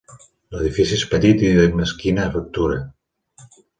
L'edifici és petit i de mesquina factura.